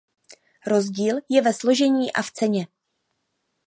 Rozdíl je ve složení a v ceně.